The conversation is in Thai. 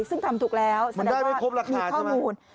ซึ่งทำถูกแล้วแสดงว่ามีข้อมูล